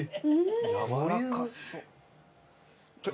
やわらかそう。